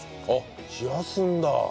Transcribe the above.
あっ冷やすんだ。